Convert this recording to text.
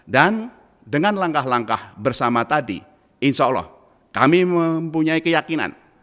dan dengan langkah langkah bersama tadi insya allah kami mempunyai keyakinan